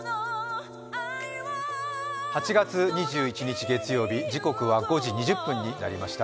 ８月２１日月曜日、時刻は５時２０分になりました。